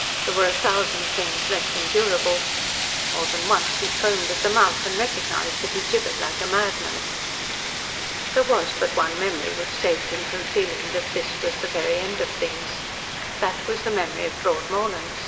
There were a thousand things less endurable. More than once he foamed at the mouth, and recognised that he gibbered like a madman. There was but one memory which saved him from feeling that this was the very end of things. That was the memory of Broadmorlands.